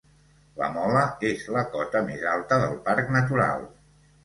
La Mola és la cota més alta del Parc Natural.